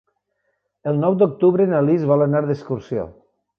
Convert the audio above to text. El nou d'octubre na Lis vol anar d'excursió.